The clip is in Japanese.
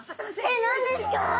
何ですか？